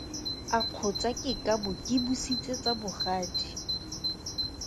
A kgotsa ke ka bo ke busitse tsa bogadi?